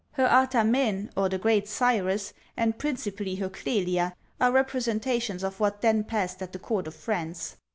Her Artamene, or the Great Cyrus, and principally her Clelia, are representations of what then passed at the court of France.